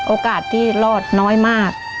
โอกาสที่รอดน้อยมาก